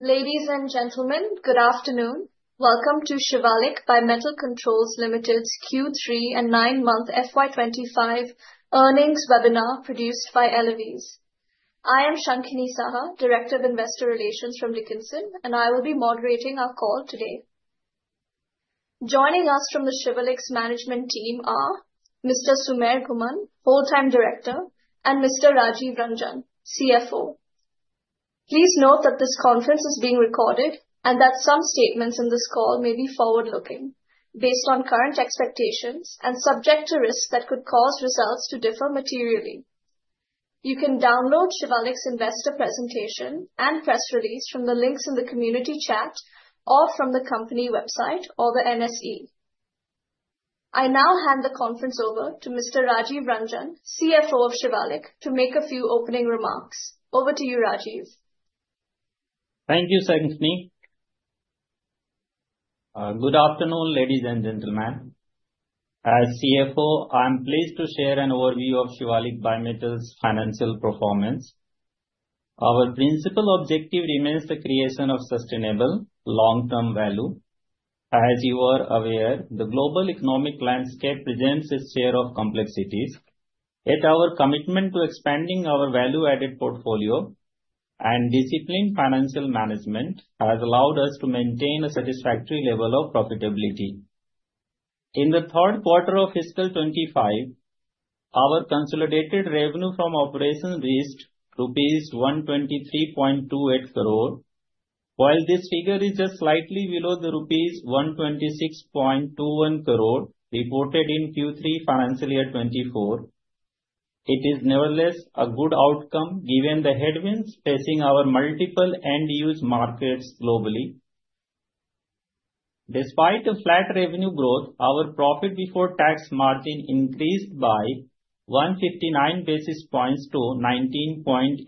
Ladies and gentlemen, good afternoon. Welcome to Shivalik Bimetal Controls Limited's Q3 and 9-month FY25 earnings webinar produced by ElevEase. I am Shankhini Saha, Director of Investor Relations from Dickenson, and I will be moderating our call today. Joining us from the Shivalik's management team are Mr. Sumer Ghumman, full-time director, and Mr. Rajeev Raniwala, CFO. Please note that this conference is being recorded and that some statements in this call may be forward-looking, based on current expectations and subject to risks that could cause results to differ materially. You can download Shivalik's investor presentation and press release from the links in the community chat or from the company website or the NSE. I now hand the conference over to Mr. Rajeev Raniwala, CFO of Shivalik, to make a few opening remarks. Over to you, Rajeev. Thank you, Shankhini. Good afternoon, ladies and gentlemen. As CFO, I'm pleased to share an overview of Shivalik Bimetal's financial performance. Our principal objective remains the creation of sustainable, long-term value. As you are aware, the global economic landscape presents its share of complexities. Yet our commitment to expanding our value-added portfolio and disciplined financial management has allowed us to maintain a satisfactory level of profitability. In the third quarter of fiscal 25, our consolidated revenue from operations reached 123.28 crore rupees, while this figure is just slightly below the 126.21 crore rupees reported in Q3 financial year 24. It is nevertheless a good outcome given the headwinds facing our multiple end-use markets globally. Despite the flat revenue growth, our profit before tax margin increased by 159 basis points to 19.80%,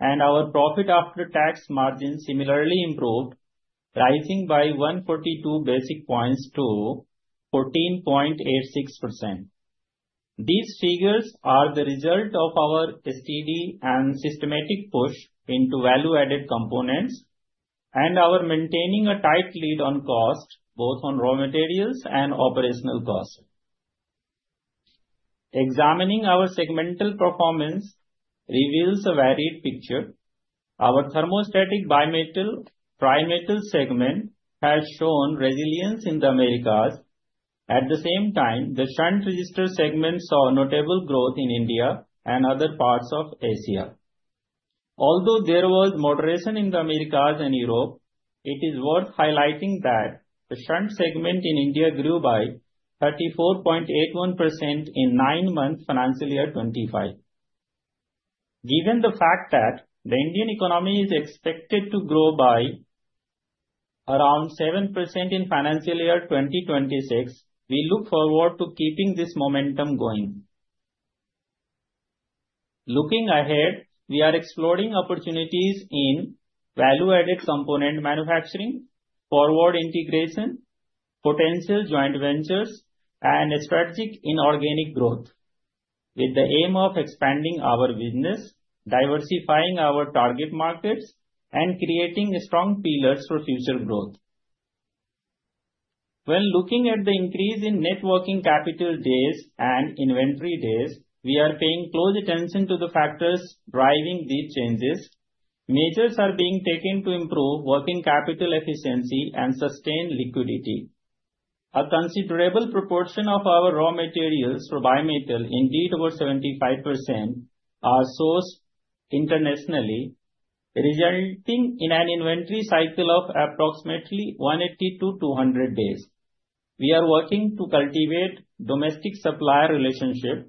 and our profit after tax margin similarly improved, rising by 142 basis points to 14.86%. These figures are the result of our steady and systematic push into value-added components and our maintaining a tight lead on cost, both on raw materials and operational cost. Examining our segmental performance reveals a varied picture. Our thermostatic bimetal segment has shown resilience in the Americas. At the same time, the shunt resistor segment saw notable growth in India and other parts of Asia. Although there was moderation in the Americas and Europe, it is worth highlighting that the shunt resistor segment in India grew by 34.81% in 9-month financial year 2025. Given the fact that the Indian economy is expected to grow by around 7% in financial year 2026, we look forward to keeping this momentum going. Looking ahead, we are exploring opportunities in value-added component manufacturing, forward integration, potential joint ventures, and strategic inorganic growth, with the aim of expanding our business, diversifying our target markets, and creating strong pillars for future growth. When looking at the increase in net working capital days and inventory days, we are paying close attention to the factors driving these changes. Measures are being taken to improve working capital efficiency and sustain liquidity. A considerable proportion of our raw materials for bimetal, indeed over 75%, are sourced internationally, resulting in an inventory cycle of approximately 180-200 days. We are working to cultivate domestic supplier relationships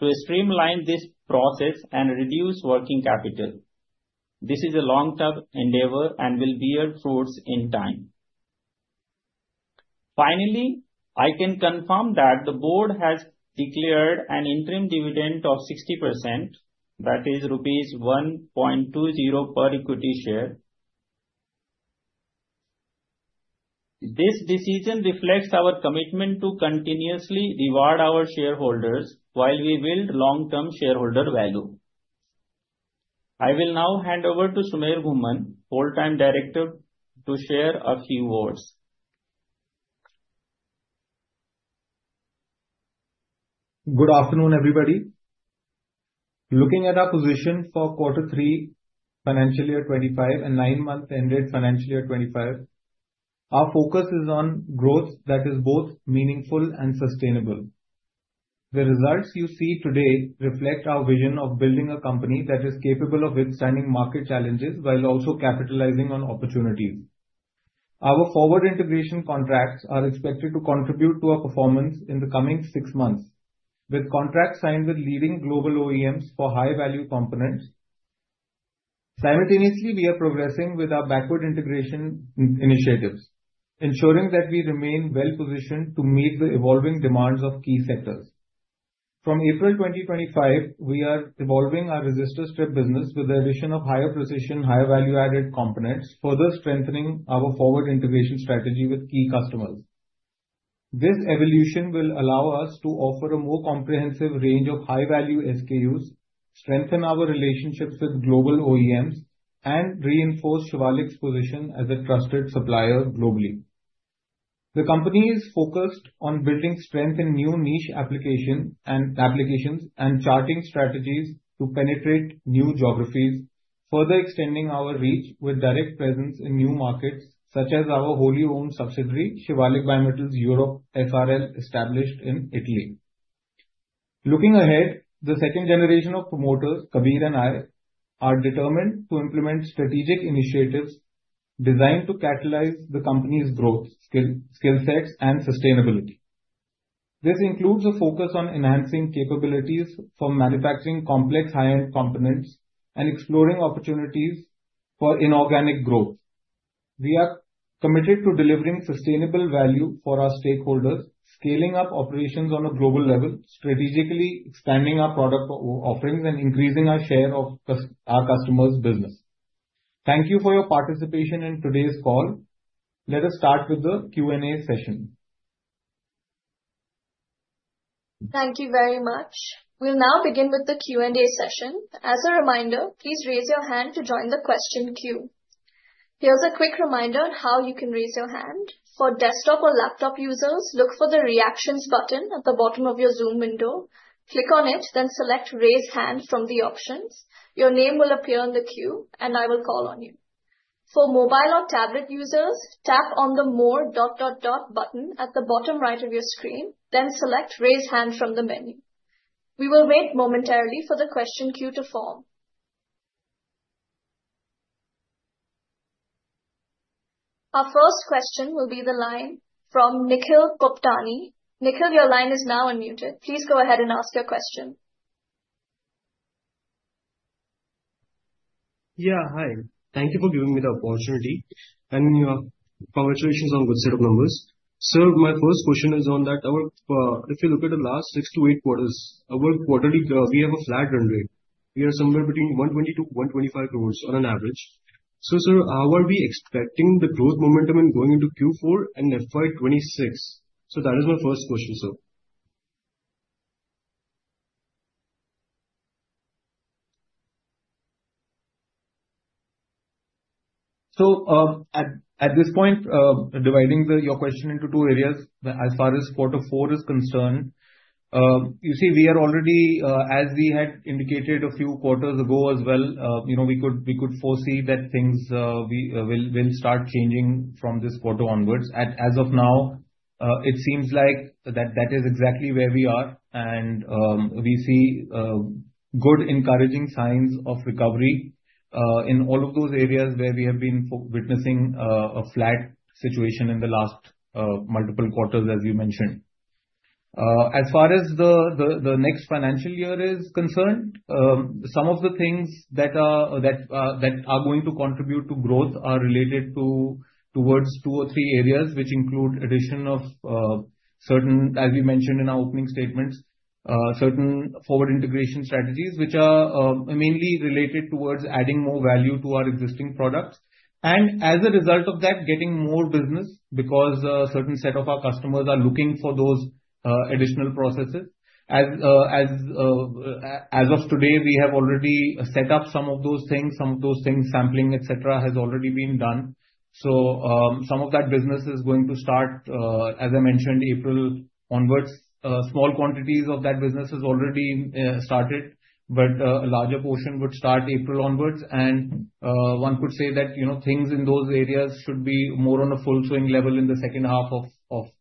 to streamline this process and reduce working capital. This is a long-term endeavor and will bear fruits in time. Finally, I can confirm that the board has declared an interim dividend of 60%, that is rupees 1.20 per equity share. This decision reflects our commitment to continuously reward our shareholders while we build long-term shareholder value. I will now hand over to Sumer Ghumman, Full-time Director, to share a few words. Good afternoon, everybody. Looking at our position for Q3 financial year 25 and 9-month ended financial year 25, our focus is on growth that is both meaningful and sustainable. The results you see today reflect our vision of building a company that is capable of withstanding market challenges while also capitalizing on opportunities. Our forward integration contracts are expected to contribute to our performance in the coming six months, with contracts signed with leading global OEMs for high-value components. Simultaneously, we are progressing with our backward integration initiatives, ensuring that we remain well-positioned to meet the evolving demands of key sectors. From April 2025, we are evolving our resistor strip business with the addition of higher precision, higher value-added components, further strengthening our forward integration strategy with key customers. This evolution will allow us to offer a more comprehensive range of high-value SKUs, strengthen our relationships with global OEMs, and reinforce Shivalik's position as a trusted supplier globally. The company is focused on building strength in new niche applications and charting strategies to penetrate new geographies, further extending our reach with direct presence in new markets, such as our wholly-owned subsidiary, Shivalik Bimetal Controls Europe S.r.l., established in Italy. Looking ahead, the second generation of promoters, Kabir and I, are determined to implement strategic initiatives designed to catalyze the company's growth skill sets and sustainability. This includes a focus on enhancing capabilities for manufacturing complex high-end components and exploring opportunities for inorganic growth. We are committed to delivering sustainable value for our stakeholders, scaling up operations on a global level, strategically expanding our product offerings, and increasing our share of our customers' business. Thank you for your participation in today's call. Let us start with the Q&A session. Thank you very much. We'll now begin with the Q&A session. As a reminder, please raise your hand to join the question queue. Here's a quick reminder on how you can raise your hand. For desktop or laptop users, look for the Reactions button at the bottom of your Zoom window. Click on it, then select Raise Hand from the options. Your name will appear on the queue, and I will call on you. For mobile or tablet users, tap on the More dot dot dot button at the bottom right of your screen, then select Raise Hand from the menu. We will wait momentarily for the question queue to form. Our first question will be the line from Nikhil Poptani. Nikhil, your line is now unmuted. Please go ahead and ask your question. Yeah, hi. Thank you for giving me the opportunity, and congratulations on a good set of numbers. Sir, my first question is on that. If you look at the last six to eight quarters, our quarterly, we have a flat run rate. We are somewhere between 120-125 crores on an average. So, sir, how are we expecting the growth momentum in going into Q4 and FY26, so that is my first question, sir. So at this point, dividing your question into two areas, as far as Q4 is concerned, you see, we are already, as we had indicated a few quarters ago as well, we could foresee that things will start changing from this quarter onwards. As of now, it seems like that is exactly where we are. And we see good encouraging signs of recovery in all of those areas where we have been witnessing a flat situation in the last multiple quarters, as you mentioned. As far as the next financial year is concerned, some of the things that are going to contribute to growth are related towards two or three areas, which include addition of certain, as we mentioned in our opening statements, certain forward integration strategies, which are mainly related towards adding more value to our existing products. As a result of that, we are getting more business because a certain set of our customers are looking for those additional processes. As of today, we have already set up some of those things. Some of those things, sampling, etc., has already been done. Some of that business is going to start, as I mentioned, April onwards. Small quantities of that business have already started, but a larger portion would start April onwards. One could say that things in those areas should be more on a full swing level in the second half of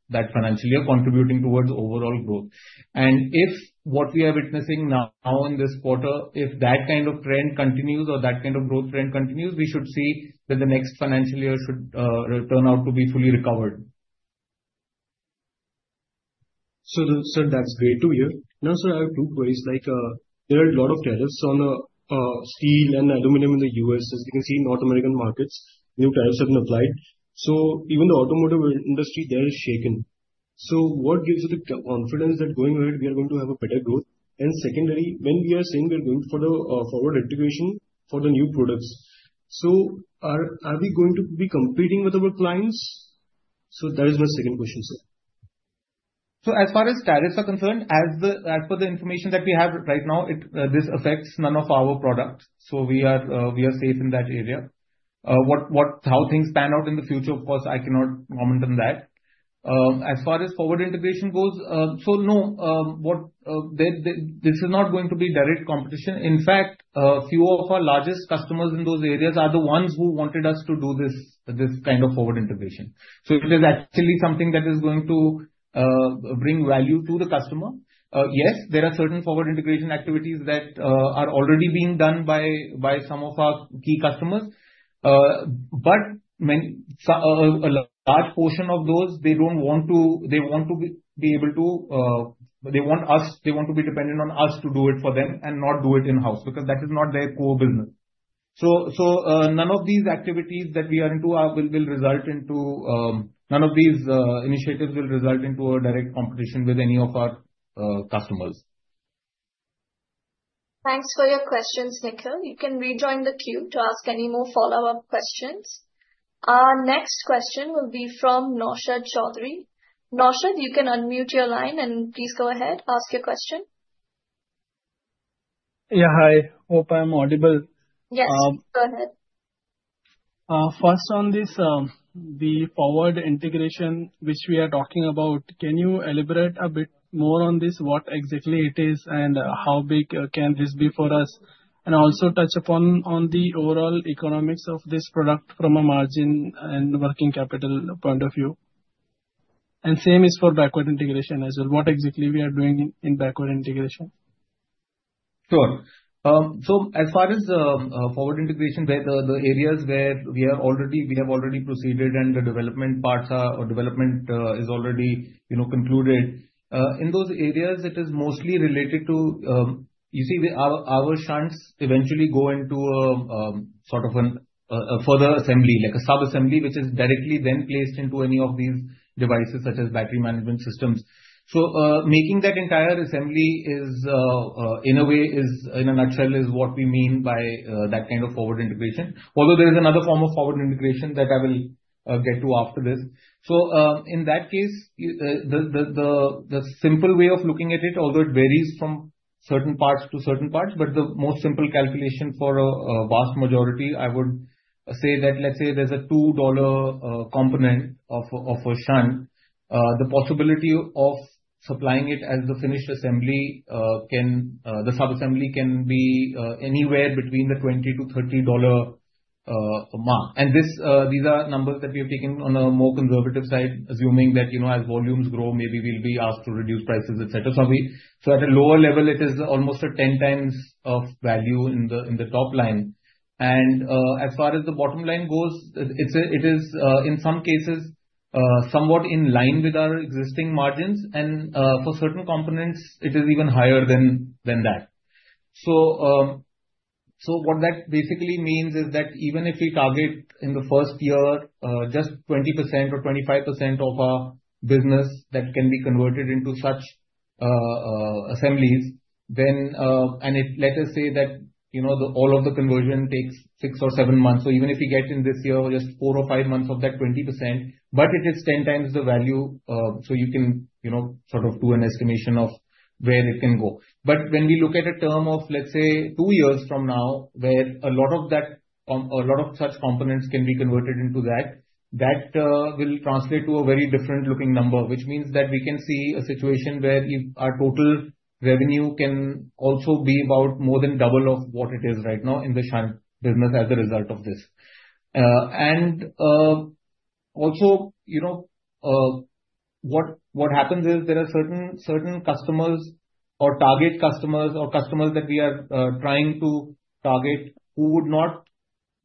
that financial year, contributing towards overall growth. If what we are witnessing now in this quarter continues, or that kind of growth trend continues, we should see that the next financial year turns out to be fully recovered. So, sir, that's great to hear. Now, sir, I have two queries. There are a lot of tariffs on steel and aluminum in the U.S. As you can see, in North American markets, new tariffs have been applied. So even the automotive industry, they're shaken. So what gives you the confidence that going ahead, we are going to have a better growth? And secondary, when we are saying we're going for the forward integration for the new products, so are we going to be competing with our clients? So that is my second question, sir. So as far as tariffs are concerned, as per the information that we have right now, this affects none of our products. So we are safe in that area. How things pan out in the future, of course, I cannot comment on that. As far as forward integration goes, so no, this is not going to be direct competition. In fact, a few of our largest customers in those areas are the ones who wanted us to do this kind of forward integration. So if there's actually something that is going to bring value to the customer, yes, there are certain forward integration activities that are already being done by some of our key customers. But a large portion of those, they want to be able to, they want us, they want to be dependent on us to do it for them and not do it in-house because that is not their core business. So none of these activities that we are into will result into, none of these initiatives will result into a direct competition with any of our customers. Thanks for your questions, Nikhil. You can rejoin the queue to ask any more follow-up questions. Our next question will be from Naushad Chaudhary. Naushad, you can unmute your line and please go ahead, ask your question. Yeah, hi. Hope I'm audible. Yes, go ahead. First on this, the forward integration, which we are talking about, can you elaborate a bit more on this, what exactly it is and how big can this be for us? And also touch upon the overall economics of this product from a margin and working capital point of view. And same is for backward integration as well. What exactly we are doing in backward integration? Sure. So as far as forward integration, the areas where we have already proceeded and the development parts are or development is already concluded, in those areas, it is mostly related to, you see, our shunts eventually go into sort of a further assembly, like a sub-assembly, which is directly then placed into any of these devices, such as battery management systems. So making that entire assembly, in a way, in a nutshell, is what we mean by that kind of forward integration. Although there is another form of forward integration that I will get to after this. So in that case, the simple way of looking at it, although it varies from certain parts to certain parts, but the most simple calculation for a vast majority, I would say that, let's say, there's a $2 component of a shunt, the possibility of supplying it as the finished assembly, the sub-assembly can be anywhere between the $20-$30 mark. And these are numbers that we have taken on a more conservative side, assuming that as volumes grow, maybe we'll be asked to reduce prices, etc. So at a lower level, it is almost a 10 times of value in the top line. And as far as the bottom line goes, it is, in some cases, somewhat in line with our existing margins. And for certain components, it is even higher than that. So what that basically means is that even if we target in the first year just 20% or 25% of our business that can be converted into such assemblies, then let us say that all of the conversion takes six or seven months. So even if we get in this year just four or five months of that 20%, but it is 10 times the value. So you can sort of do an estimation of where it can go. But when we look at a term of, let's say, two years from now, where a lot of such components can be converted into that, that will translate to a very different looking number, which means that we can see a situation where our total revenue can also be about more than double of what it is right now in the shunt business as a result of this. And also, what happens is there are certain customers or target customers or customers that we are trying to target who would not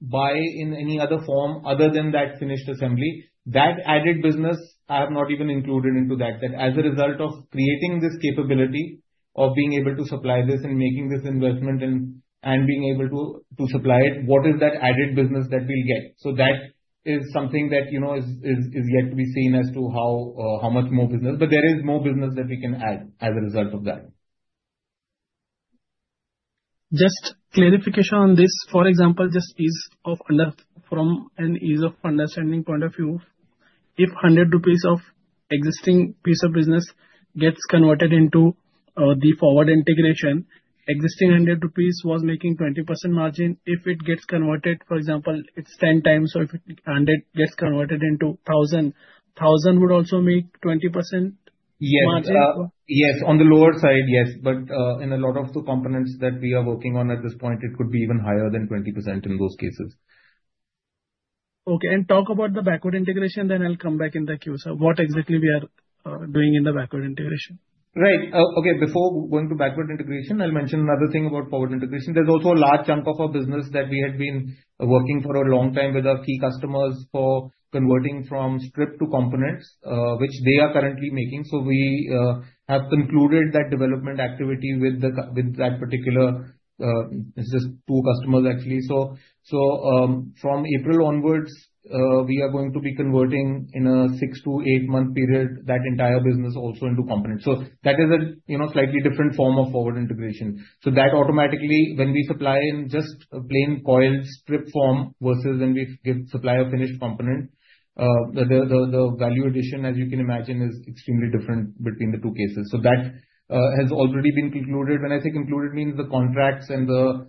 buy in any other form other than that finished assembly. That added business, I have not even included into that, that as a result of creating this capability of being able to supply this and making this investment and being able to supply it, what is that added business that we'll get? So that is something that is yet to be seen as to how much more business. But there is more business that we can add as a result of that. Just clarification on this. For example, just ease of understanding from an ease of understanding point of view, if 100 rupees of existing piece of business gets converted into the forward integration, existing 100 rupees was making 20% margin. If it gets converted, for example, it's 10 times. So if 100 gets converted into 1,000, 1,000 would also make 20% margin? Yes. On the lower side, yes. But in a lot of the components that we are working on at this point, it could be even higher than 20% in those cases. Okay and talk about the backward integration, then I'll come back in the queue, so what exactly we are doing in the backward integration? Right. Okay. Before going to backward integration, I'll mention another thing about forward integration. There's also a large chunk of our business that we had been working for a long time with our key customers for converting from strip to components, which they are currently making. So we have concluded that development activity with that particular, it's just two customers, actually. So from April onwards, we are going to be converting in a six- to eight-month period that entire business also into components. So that is a slightly different form of forward integration. So that automatically, when we supply in just plain coil strip form versus when we supply a finished component, the value addition, as you can imagine, is extremely different between the two cases. So that has already been concluded. When I say concluded, it means the contracts and the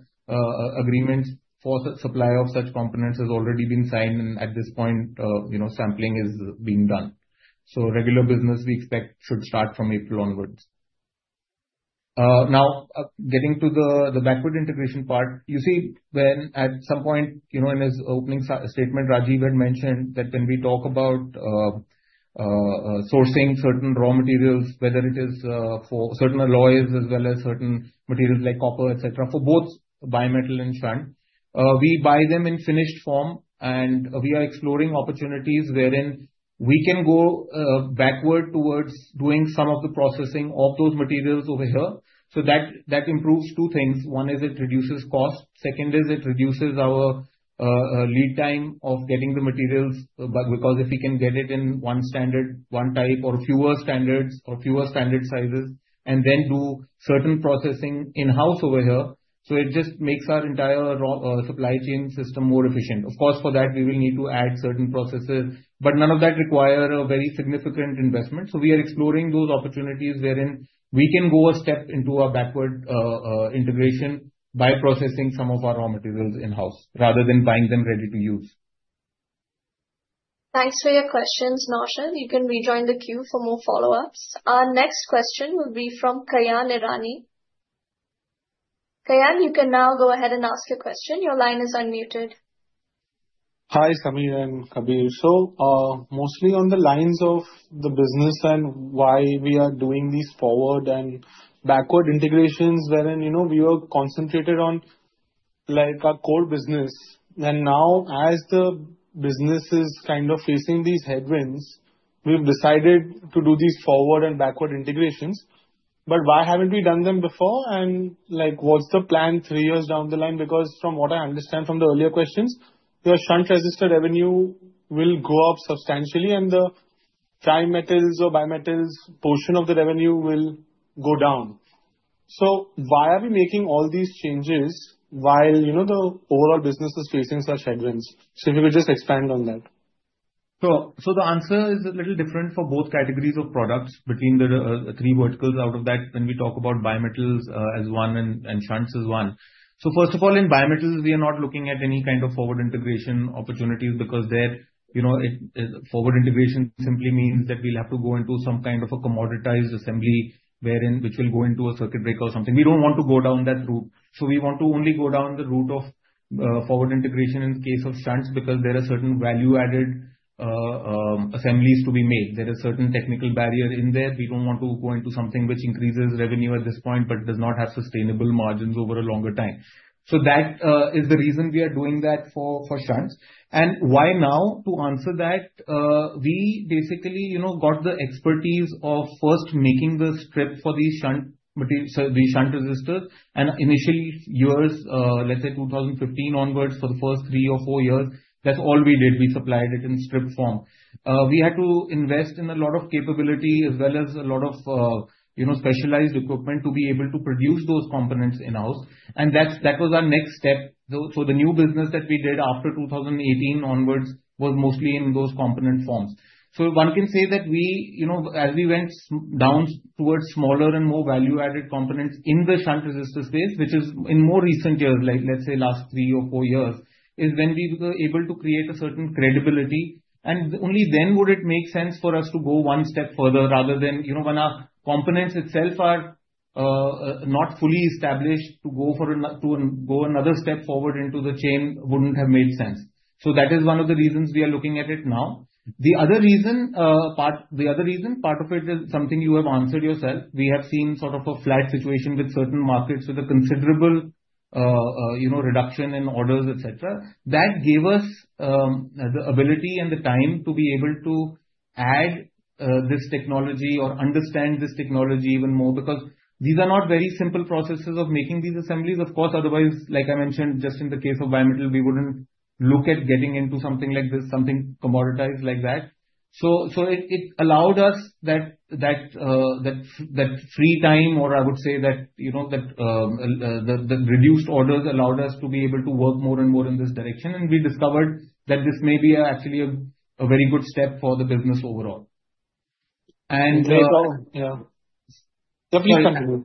agreements for the supply of such components have already been signed. And at this point, sampling is being done, so regular business, we expect, should start from April onwards. Now, getting to the backward integration part, you see, when at some point in his opening statement, Rajeev had mentioned that when we talk about sourcing certain raw materials, whether it is for certain alloys as well as certain materials like copper, etc., for both bimetal and shunt, we buy them in finished form, and we are exploring opportunities wherein we can go backward towards doing some of the processing of those materials over here, so that improves two things. One is it reduces cost. Second, it reduces our lead time of getting the materials because if we can get it in one standard, one type, or fewer standards or fewer standard sizes, and then do certain processing in-house over here, so it just makes our entire supply chain system more efficient. Of course, for that, we will need to add certain processes, but none of that requires a very significant investment. So we are exploring those opportunities wherein we can go a step into our backward integration by processing some of our raw materials in-house rather than buying them ready to use. Thanks for your questions, Naushad. You can rejoin the queue for more follow-ups. Our next question will be from Kajal Nerani. Kajal, you can now go ahead and ask your question. Your line is unmuted. Hi, Sumer and Rajeev. So mostly on the lines of the business and why we are doing these forward and backward integrations wherein we were concentrated on our core business. And now, as the business is kind of facing these headwinds, we've decided to do these forward and backward integrations. But why haven't we done them before? And what's the plan three years down the line? Because from what I understand from the earlier questions, your shunt resistor revenue will go up substantially, and the trimetals or bimetals portion of the revenue will go down. So why are we making all these changes while the overall business is facing such headwinds? So if you could just expand on that. So the answer is a little different for both categories of products between the three verticals, out of that when we talk about bimetals as one and shunts as one. So first of all, in bimetals, we are not looking at any kind of forward integration opportunities because forward integration simply means that we'll have to go into some kind of a commoditized assembly which will go into a circuit breaker or something. We don't want to go down that route. So we want to only go down the route of forward integration in the case of shunts because there are certain value-added assemblies to be made. There are certain technical barriers in there. We don't want to go into something which increases revenue at this point but does not have sustainable margins over a longer time. So that is the reason we are doing that for shunts. And why now? To answer that, we basically got the expertise of first making the strip for these shunt resistors. In initial years, let's say 2015 onwards, for the first three or four years, that's all we did. We supplied it in strip form. We had to invest in a lot of capability as well as a lot of specialized equipment to be able to produce those components in-house. And that was our next step. So the new business that we did after 2018 onwards was mostly in those component forms. So one can say that as we went down towards smaller and more value-added components in the shunt resistor space, which is in more recent years, let's say last three or four years, is when we were able to create a certain credibility. And only then would it make sense for us to go one step further rather than, when our components themselves are not fully established, to go another step forward into the chain. It wouldn't have made sense. So that is one of the reasons we are looking at it now. The other reason, part of it is something you have answered yourself. We have seen sort of a flat situation with certain markets with a considerable reduction in orders, etc. That gave us the ability and the time to be able to add this technology or understand this technology even more because these are not very simple processes of making these assemblies. Of course, otherwise, like I mentioned, just in the case of bimetal, we wouldn't look at getting into something like this, something commoditized like that. So it allowed us that free time, or I would say that the reduced orders allowed us to be able to work more and more in this direction. And we discovered that this may be actually a very good step for the business overall. Great. Yeah. Yeah, please continue.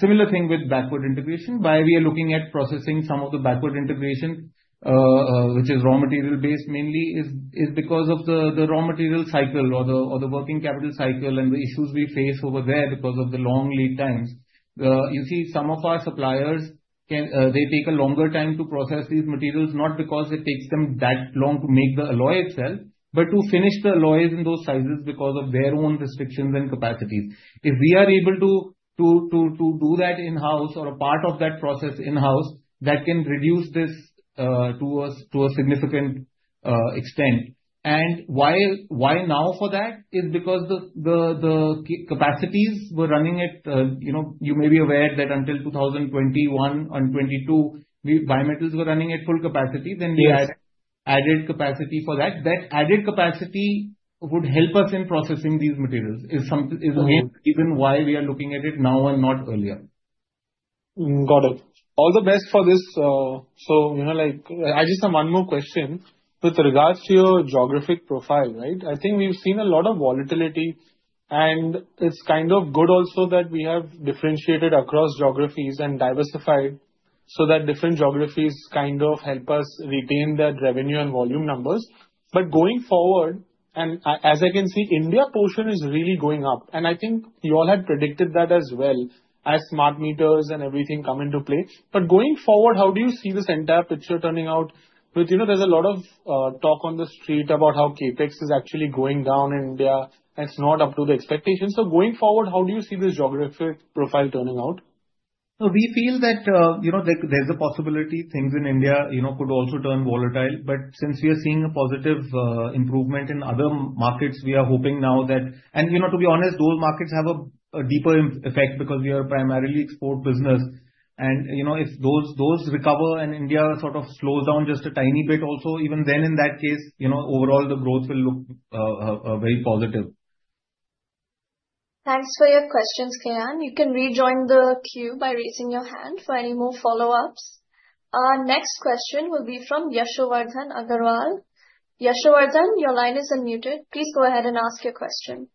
Similar thing with backward integration, why we are looking at processing some of the backward integration, which is raw material-based mainly, is because of the raw material cycle or the working capital cycle and the issues we face over there because of the long lead times. You see, some of our suppliers, they take a longer time to process these materials, not because it takes them that long to make the alloy itself, but to finish the alloys in those sizes because of their own restrictions and capacities. If we are able to do that in-house or a part of that process in-house, that can reduce this to a significant extent. Why now for that is because the capacities were running at you may be aware that until 2021 and 2022, bimetals were running at full capacity. Then we added capacity for that. That added capacity would help us in processing these materials is even why we are looking at it now and not earlier. Got it. All the best for this. So I just have one more question with regards to your geographic profile, right? I think we've seen a lot of volatility. And it's kind of good also that we have differentiated across geographies and diversified so that different geographies kind of help us retain that revenue and volume numbers. But going forward, and as I can see, India portion is really going up. And I think you all had predicted that as well as smart meters and everything come into play. But going forward, how do you see this entire picture turning out? There's a lot of talk on the street about how CapEx is actually going down in India. It's not up to the expectations. So going forward, how do you see this geographic profile turning out? We feel that there's a possibility things in India could also turn volatile. But since we are seeing a positive improvement in other markets, we are hoping now that and to be honest, those markets have a deeper effect because we are primarily export business, and if those recover and India sort of slows down just a tiny bit also, even then in that case, overall, the growth will look very positive. Thanks for your questions, Kayal. You can rejoin the queue by raising your hand for any more follow-ups. Our next question will be from Yashovardhan Agrawal. Yashovardhan, your line is unmuted. Please go ahead and ask your question.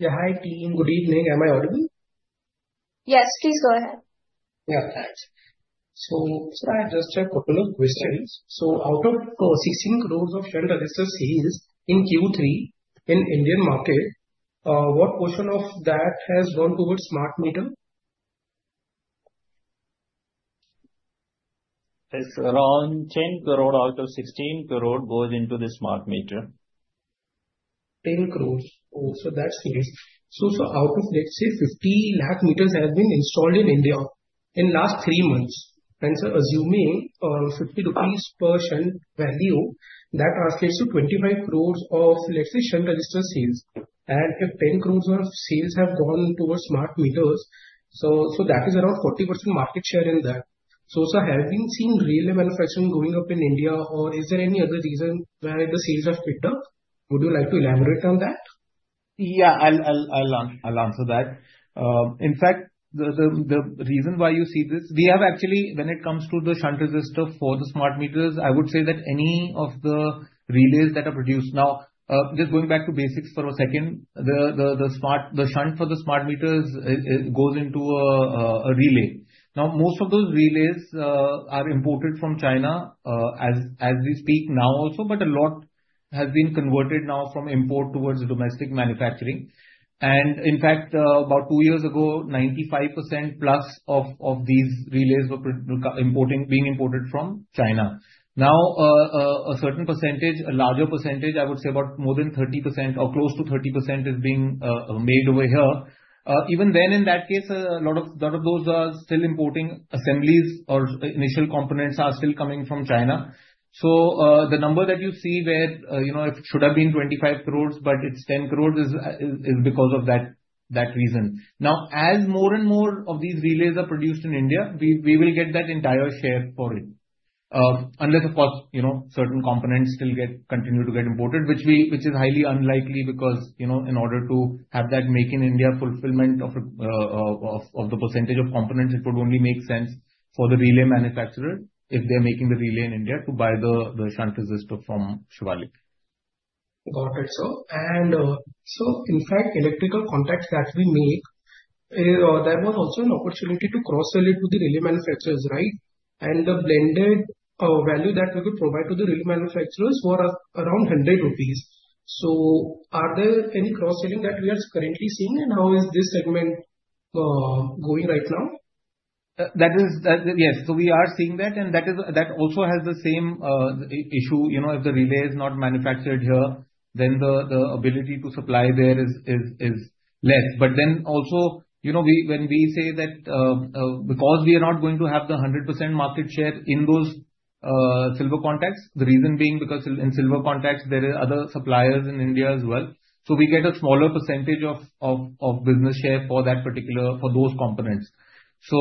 Yeah. Hi, team. Good evening. Am I audible? Yes, please go ahead. Yeah. Thanks. So I just have a couple of questions. So out of 16 rows of shunt resistor series in Q3 in Indian market, what portion of that has gone towards smart meter? It's around 10 crore out of 16 crore goes into the smart meter. 10 crore. Oh, so that's nice. So out of, let's say, 50 lakh meters have been installed in India in the last three months. And so assuming ₹50 per shunt value, that translates to 25 crores of, let's say, shunt resistor sales. And if 10 crores of sales have gone towards smart meters, so that is around 40% market share in that. So have we seen relay manufacturing going up in India, or is there any other reason why the sales have picked up? Would you like to elaborate on that? Yeah, I'll answer that. In fact, the reason why you see this, we have actually, when it comes to the shunt resistor for the smart meters, I would say that any of the relays that are produced now, just going back to basics for a second, the shunt for the smart meters goes into a relay. Now, most of those relays are imported from China as we speak now also, but a lot has been converted now from import towards domestic manufacturing, and in fact, about two years ago, 95% plus of these relays were being imported from China. Now, a certain percentage, a larger percentage, I would say about more than 30% or close to 30% is being made over here. Even then, in that case, a lot of those are still importing assemblies or initial components are still coming from China. So the number that you see, where it should have been 25 crores but it's 10 crores, is because of that reason. Now, as more and more of these relays are produced in India, we will get that entire share for it. Unless, of course, certain components continue to get imported, which is highly unlikely because in order to have that Make in India fulfillment of the percentage of components, it would only make sense for the relay manufacturer if they're making the relay in India to buy the shunt resistor from Shivalik. Got it. So, in fact, electrical contacts that we make, there was also an opportunity to cross-sell it to the relay manufacturers, right? And the blended value that we could provide to the relay manufacturers was around 100 rupees. So are there any cross-selling that we are currently seeing, and how is this segment going right now? Yes. So we are seeing that. And that also has the same issue. If the relay is not manufactured here, then the ability to supply there is less. But then also, when we say that because we are not going to have the 100% market share in those silver contacts, the reason being because in silver contacts, there are other suppliers in India as well. So we get a smaller percentage of business share for those components. So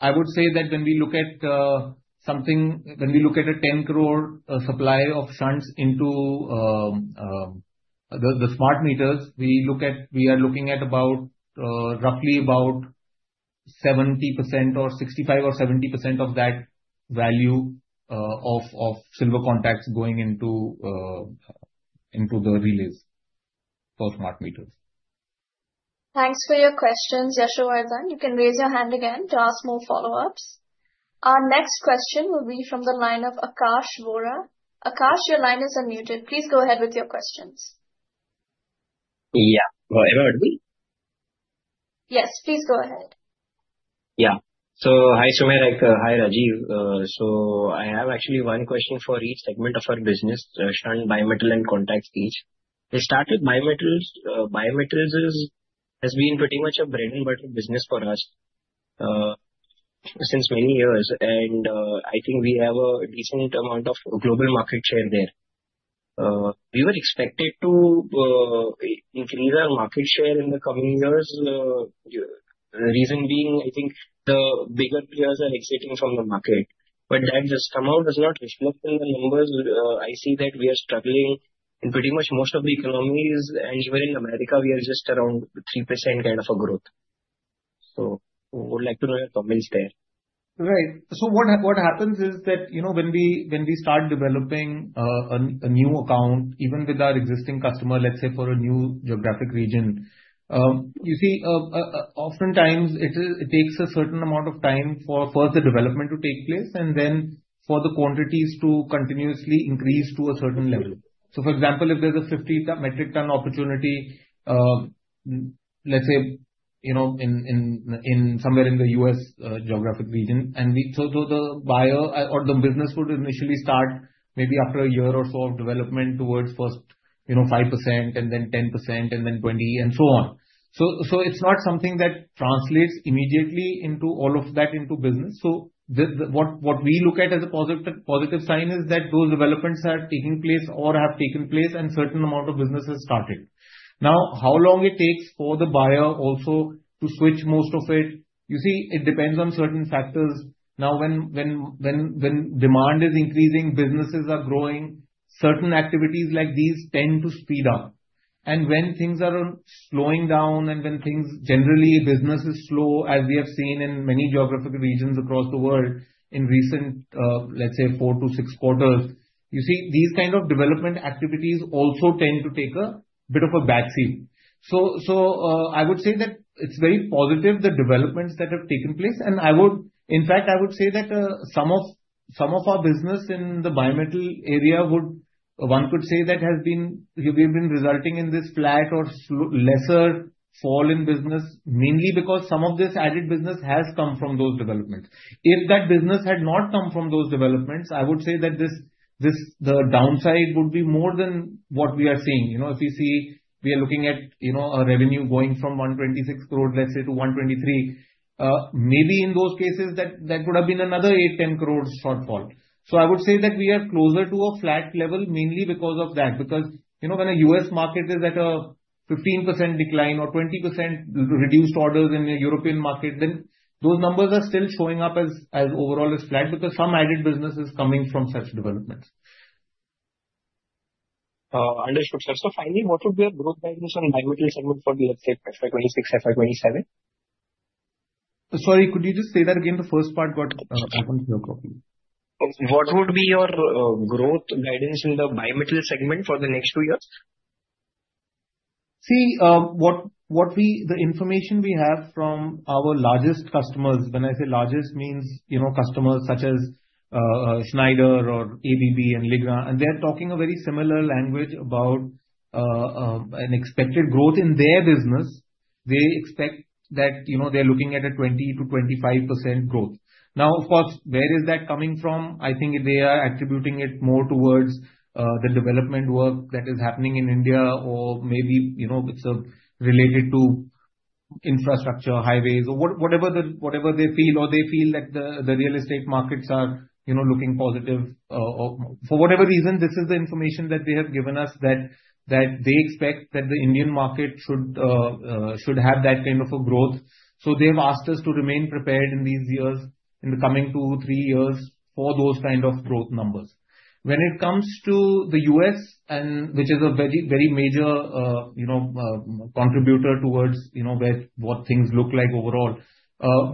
I would say that when we look at something, when we look at a 10 crore supply of shunts into the smart meters, we are looking at roughly about 70% or 65% or 70% of that value of silver contacts going into the relays for smart meters. Thanks for your questions, Yashovardhan. You can raise your hand again to ask more follow-ups. Our next question will be from the line of Akash Vora. Akash, your line is unmuted. Please go ahead with your questions. Yeah. Yes, please go ahead. Yeah. So, hi, Sumer. Hi, Rajeev. So I have actually one question for each segment of our business, shunt, bimetal, and contacts each. To start with, bimetals has been pretty much a bread-and-butter business for us since many years. And I think we have a decent amount of global market share there. We were expected to increase our market share in the coming years, the reason being, I think, the bigger players are exiting from the market. But that just somehow does not reflect in the numbers. I see that we are struggling in pretty much most of the economies. And here in Americas, we are just around 3% kind of a growth. So we would like to know your comments there. Right. So what happens is that when we start developing a new account, even with our existing customer, let's say for a new geographic region, you see, oftentimes, it takes a certain amount of time for first the development to take place and then for the quantities to continuously increase to a certain level. So for example, if there's a 50 metric ton opportunity, let's say somewhere in the U.S. geographic region, and so the buyer or the business would initially start maybe after a year or so of development towards first 5% and then 10% and then 20% and so on. So it's not something that translates immediately into all of that into business. So what we look at as a positive sign is that those developments are taking place or have taken place and a certain amount of business has started. Now, how long it takes for the buyer also to switch most of it, you see, it depends on certain factors. Now, when demand is increasing, businesses are growing, certain activities like these tend to speed up. And when things are slowing down and when things generally business is slow, as we have seen in many geographical regions across the world in recent, let's say, four to six quarters, you see, these kind of development activities also tend to take a bit of a backseat. So I would say that it's very positive, the developments that have taken place. And in fact, I would say that some of our business in the bimetal area, one could say that has been resulting in this flat or lesser fall in business, mainly because some of this added business has come from those developments. If that business had not come from those developments, I would say that the downside would be more than what we are seeing. If we see we are looking at a revenue going from 126 crore, let's say, to 123, maybe in those cases, that would have been another 8-10 crore shortfall. So I would say that we are closer to a flat level mainly because of that. Because when a U.S. market is at a 15% decline or 20% reduced orders in the European market, then those numbers are still showing up as overall as flat because some added business is coming from such developments. Understood, sir. So finally, what would be your growth measures on bimetal segment for the FY26, FY27? Sorry, could you just say that again? The first part got cut off. What would be your growth guidance in the bimetal segment for the next two years? See, the information we have from our largest customers, when I say largest means customers such as Schneider or ABB and Legrand, and they're talking a very similar language about an expected growth in their business. They expect that they're looking at a 20%-25% growth. Now, of course, where is that coming from? I think they are attributing it more towards the development work that is happening in India, or maybe it's related to infrastructure, highways, or whatever they feel, or they feel that the real estate markets are looking positive. For whatever reason, this is the information that they have given us that they expect that the Indian market should have that kind of a growth. So they have asked us to remain prepared in these years, in the coming two, three years for those kind of growth numbers. When it comes to the U.S., which is a very major contributor towards what things look like overall,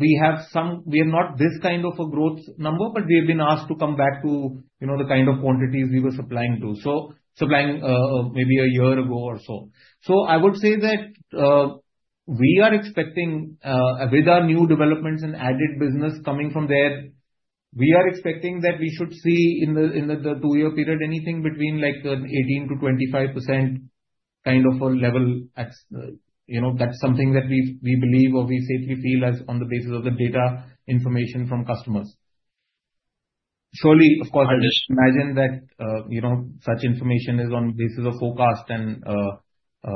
we have not this kind of a growth number, but we have been asked to come back to the kind of quantities we were supplying to, so supplying maybe a year ago or so. So I would say that we are expecting with our new developments and added business coming from there, we are expecting that we should see in the two-year period anything between 18%-25% kind of a level. That's something that we believe or we safely feel on the basis of the data information from customers. Surely, of course, I just imagine that such information is on the basis of forecast, and there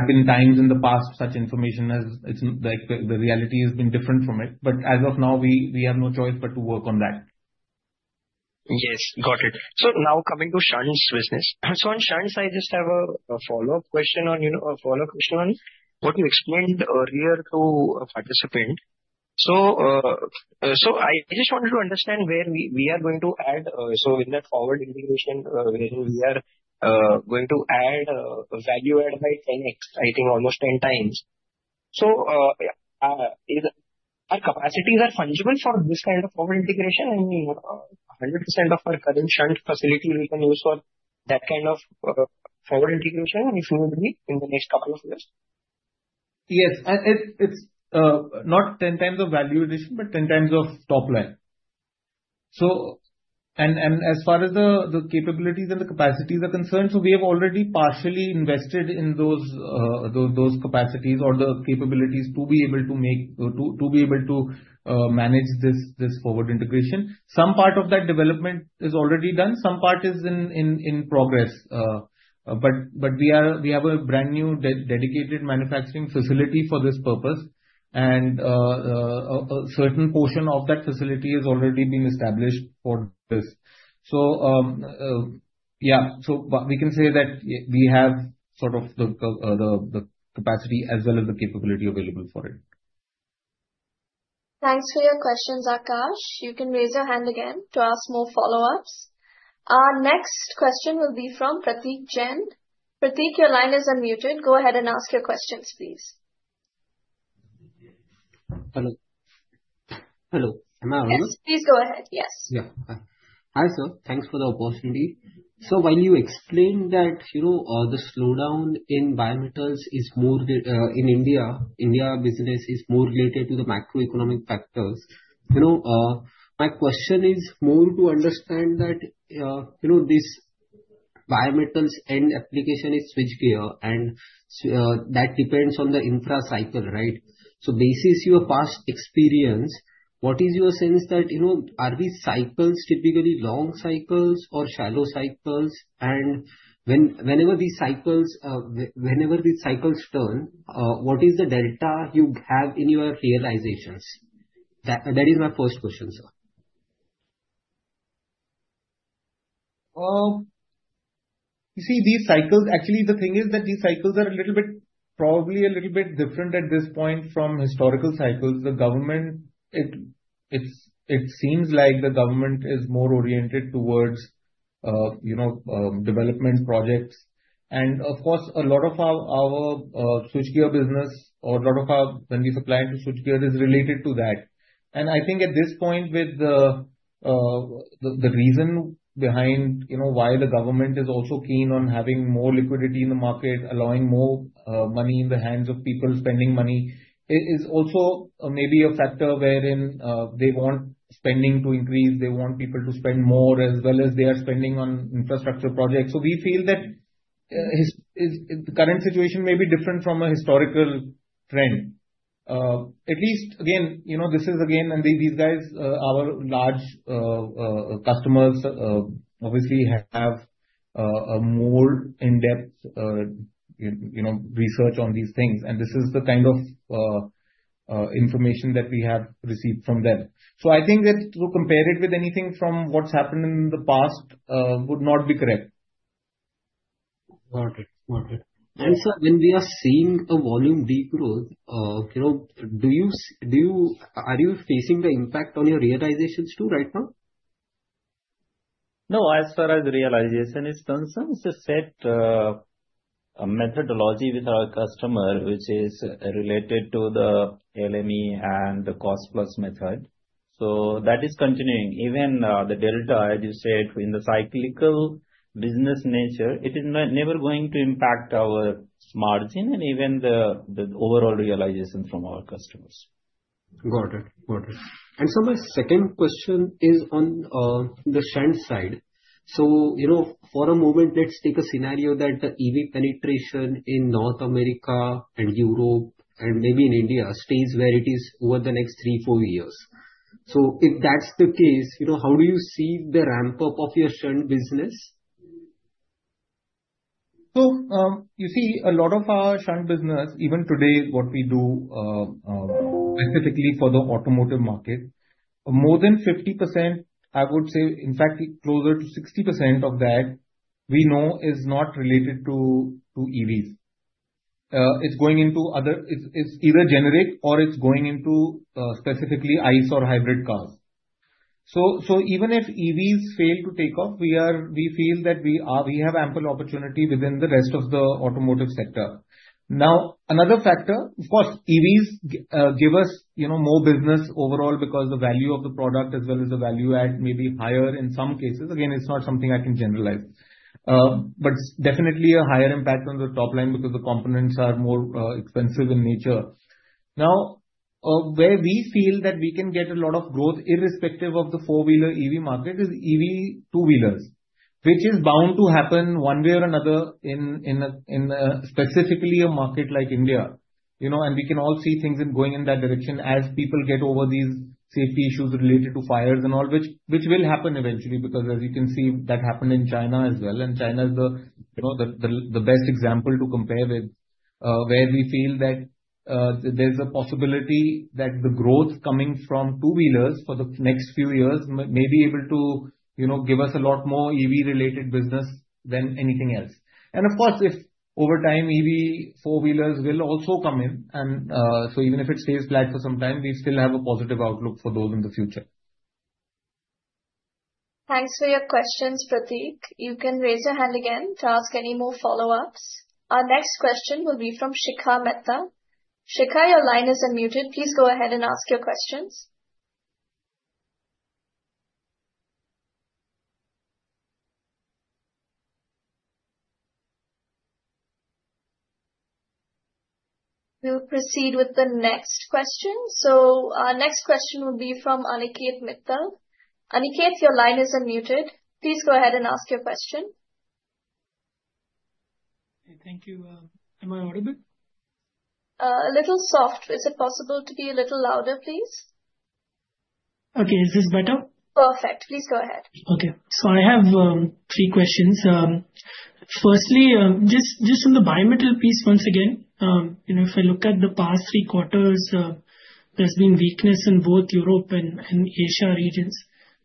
have been times in the past such information as the reality has been different from it. But as of now, we have no choice but to work on that. Yes. Got it. So now coming to shunts business. So on shunts, I just have a follow-up question on what you explained earlier to a participant. So I just wanted to understand where we are going to add. So in that forward integration, we are going to add value add by 10x, I think almost 10 times. So our capacities are fungible for this kind of forward integration? I mean, 100% of our current shunt facility we can use for that kind of forward integration if need be in the next couple of years? Yes. It's not 10 times of value addition, but 10 times of top line. And as far as the capabilities and the capacities are concerned, so we have already partially invested in those capacities or the capabilities to be able to manage this forward integration. Some part of that development is already done. Some part is in progress. But we have a brand new dedicated manufacturing facility for this purpose. And a certain portion of that facility has already been established for this. So yeah, so we can say that we have sort of the capacity as well as the capability available for it. Thanks for your questions, Akash. You can raise your hand again to ask more follow-ups. Our next question will be from Prateek Jain. Prateek, your line is unmuted. Go ahead and ask your questions, please. Hello. Hello. Am I on? Yes. Please go ahead. Yes. Yeah. Hi, sir. Thanks for the opportunity. So while you explain that the slowdown in bimetals is more in India, India business is more related to the macroeconomic factors, my question is more to understand that this bimetals end application is switchgear, and that depends on the infra cycle, right? So based on your past experience, what is your sense that are these cycles typically long cycles or shallow cycles? And whenever these cycles turn, what is the delta you have in your realizations? That is my first question, sir. You see, these cycles, actually, the thing is that these cycles are a little bit probably a little bit different at this point from historical cycles. The government, it seems like the government is more oriented towards development projects. Of course, a lot of our switchgear business or a lot of our when we supply into switchgear is related to that. I think at this point, with the reason behind why the government is also keen on having more liquidity in the market, allowing more money in the hands of people spending money, it is also maybe a factor wherein they want spending to increase. They want people to spend more as well as they are spending on infrastructure projects. We feel that the current situation may be different from a historical trend. At least, again, this is, and these guys, our large customers, obviously have a more in-depth research on these things. This is the kind of information that we have received from them. So I think that to compare it with anything from what's happened in the past would not be correct. Got it. Got it. And sir, when we are seeing a volume degrowth, are you facing the impact on your realizations too right now? No. As far as realization is concerned, it's a set methodology with our customer, which is related to the LME and the cost-plus method. So that is continuing. Even the delta, as you said, in the cyclical business nature, it is never going to impact our margin and even the overall realizations from our customers. Got it. Got it. And so my second question is on the shunt side. So for a moment, let's take a scenario that the EV penetration in North America and Europe and maybe in India stays where it is over the next three, four years. So if that's the case, how do you see the ramp-up of your shunt business? So you see, a lot of our shunt business, even today, what we do specifically for the automotive market, more than 50%, I would say, in fact, closer to 60% of that we know is not related to EVs. It's going into others. It's either generic or it's going into specifically ICE or hybrid cars. So even if EVs fail to take off, we feel that we have ample opportunity within the rest of the automotive sector. Now, another factor, of course, EVs give us more business overall because the value of the product as well as the value add may be higher in some cases. Again, it's not something I can generalize, but definitely a higher impact on the top line because the components are more expensive in nature. Now, where we feel that we can get a lot of growth irrespective of the four-wheeler EV market is EV two-wheelers, which is bound to happen one way or another in specifically a market like India, and we can all see things going in that direction as people get over these safety issues related to fires and all, which will happen eventually because, as you can see, that happened in China as well. And China is the best example to compare with where we feel that there's a possibility that the growth coming from two-wheelers for the next few years may be able to give us a lot more EV-related business than anything else. And of course, if over time, EV four-wheelers will also come in. And so even if it stays flat for some time, we still have a positive outlook for those in the future. Thanks for your questions, Prateek. You can raise your hand again to ask any more follow-ups. Our next question will be from Shikhar Mehta. Shikhar, your line is unmuted. Please go ahead and ask your questions. We'll proceed with the next question. So our next question will be from Aniket Mittal. Aniket, your line is unmuted. Please go ahead and ask your question. Thank you. Am I audible? A little soft. Is it possible to be a little louder, please? Okay. Is this better? Perfect. Please go ahead. Okay. So I have three questions. Firstly, just on the bimetal piece once again, if I look at the past three quarters, there's been weakness in both Europe and Asia regions.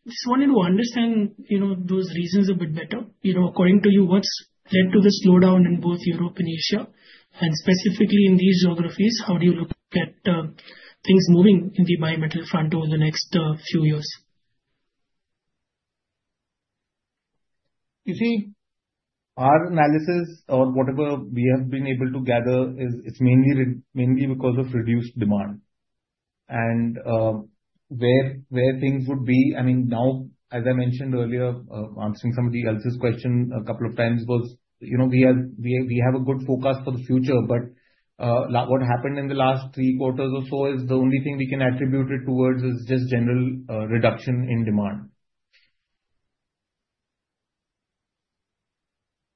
I just wanted to understand those reasons a bit better. According to you, what's led to the slowdown in both Europe and Asia? And specifically in these geographies, how do you look at things moving in the bimetal front in the next few years? You see, our analysis or whatever we have been able to gather is it's mainly because of reduced demand, and where things would be, I mean, now, as I mentioned earlier, answering somebody else's question a couple of times was we have a good forecast for the future, but what happened in the last three quarters or so is the only thing we can attribute it towards is just general reduction in demand.